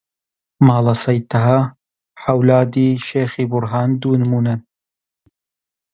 ماڵە سەید تەها، عەولادی شێخی بورهان دوو نموونەن